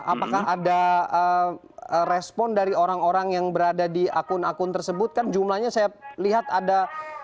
apakah ada respon dari orang orang yang berada di akun akun tersebut kan jumlahnya saya lihat ada